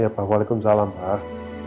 iya pak waalaikumsalam pak